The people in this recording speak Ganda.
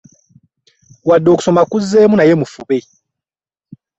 Wadde okusoma kuzzeemu naye mufube.